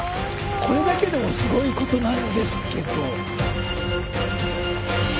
これだけでもすごいことなんですけど。